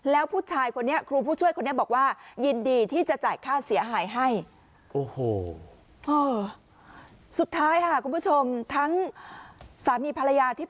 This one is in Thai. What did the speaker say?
แล้วผู้ชายคนนี้ครูผู้ช่วยคนนี้บอกว่ายินดีที่จะจ่ายค่าเสียหายให้